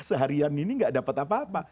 seharian ini gak dapat apa apa